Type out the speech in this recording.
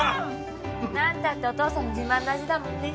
何たってお父さんの自慢の味だもんね。